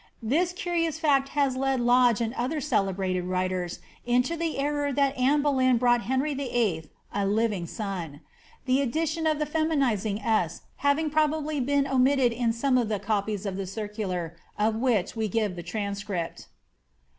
This curious fact has led Lodge and other celebrated writers into the error that Anne Boleyn brought Henry VIII. a living son ; the addi tion of the feminising s having probably been omitted in some of the eo{Hes of the circular, of which we give the transcript.